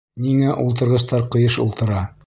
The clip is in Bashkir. Ниңә ултырғыстар ҡыйыш ултыра?